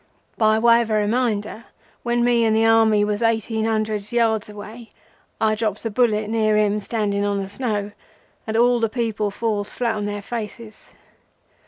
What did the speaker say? By way of a reminder, when me and the Army was eighteen hundred yards away, I drops a bullet near him standing on the snow, and all the people falls flat on their faces.